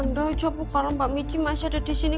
anda aja bukalan mbak mici masih ada di sini